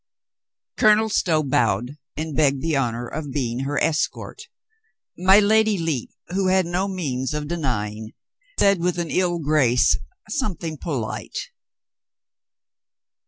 Colonel Stow bowed and begged the honor of being her escort. My Lady Lepe, who had no means of denying, said with an ill grace something polite.